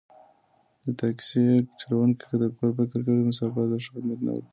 د تاکسي چلوونکی که د کور فکر لري، مسافر ته ښه خدمت نه ورکوي.